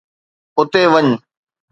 اتي وڃ.